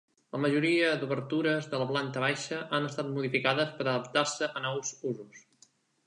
La majoria d’obertures de la planta baixa han estat modificades per adaptar-se a nous usos.